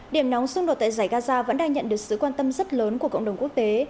điểm nóng xung đột tại giải gaza vẫn đang nhận được sự quan tâm rất lớn của cộng đồng quốc tế